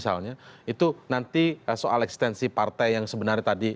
metode sampel misalnya itu nanti soal ekstensi partai yang sebenarnya tadi